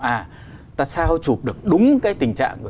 à ta sao chụp được đúng cái tình trạng